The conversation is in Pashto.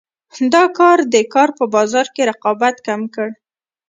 دا کار د کار په بازار کې رقابت کم کړ.